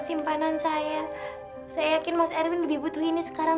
simpanan saya saya yakin mas erwin lebih butuh ini sekarang